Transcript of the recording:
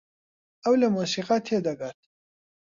ئەو لە مۆسیقا تێدەگات.